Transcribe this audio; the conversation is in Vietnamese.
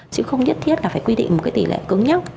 chứ không nhất thiết là phải quy định một cái tỷ lệ cứng nhắc